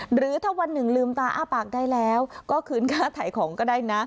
หรือถ้าวันหนึ่งลืมตาอ้าปากได้แล้วก็คืนค่าถ่ายของก็ได้นะ